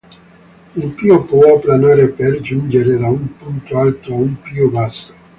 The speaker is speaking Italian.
In più può planare per giungere da un punto alto a uno più basso.